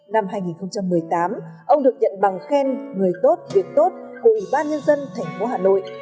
năm hai nghìn một mươi tám ông được nhận bằng khen người tốt việc tốt của ủy ban nhân dân tp hà nội